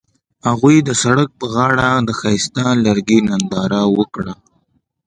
هغوی د سړک پر غاړه د ښایسته لرګی ننداره وکړه.